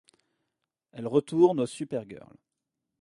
Elles retournent au Supergirl.